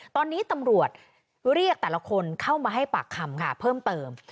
ตอนนี้ตำรวจเรียกแต่ละคนเข้ามาให้ปากคำค่ะเพิ่มเติม